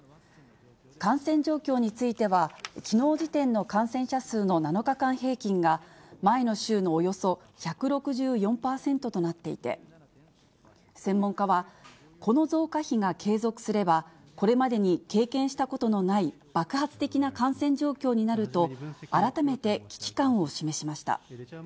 感染状況については、きのう時点の感染者数の７日間平均が、前の週のおよそ１６４％となっていて、専門家はこの増加比が継続すれば、これまでに経験したことのない爆発的な感染状況になると、改めて危機感を示しました。